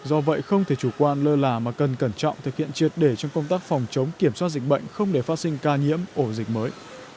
do vậy không thể chủ quan lơ là mà cần cẩn trọng thực hiện triệt để trong công tác phòng chống kiểm soát dịch bệnh không để phát sinh ca nhiễm ổ dịch mới